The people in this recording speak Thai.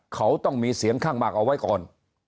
เขาต้องมีเสียงข้างมากเอาไว้ก่อน